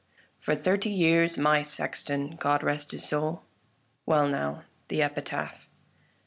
For thirty years my sexton. God rest his soul ! Well now, the epitaph."